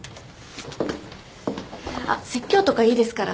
あっ説教とかいいですから。